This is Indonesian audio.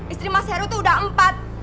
istri mas heru itu udah empat